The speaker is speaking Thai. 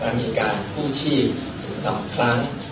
มันมีการขู้ชีพถึงสองครั้ง